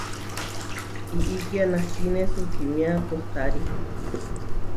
Iʼíkia nahkíne sukímia kohtári.